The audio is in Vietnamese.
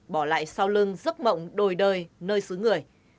bỏ lại sau lưng giấc mộng đổi đời nơi xứ người